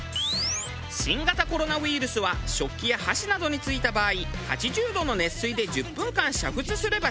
新型コロナウイルスは食器や箸などに付いた場合８０度の熱水で１０分間煮沸すれば死滅。